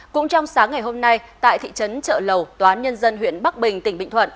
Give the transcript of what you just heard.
cũng trong sáng ngày hôm nay tại thị trấn trợ lầu tòa án nhân dân huyện bắc bình tỉnh bình thuận